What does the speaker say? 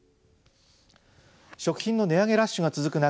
食品の値上げラッシュが続く中